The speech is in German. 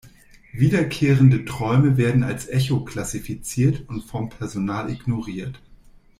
Wiederkehrende Träume werden als Echo klassifiziert und vom Personal ignoriert.